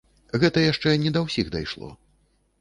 Гэта яшчэ не да ўсіх дайшло.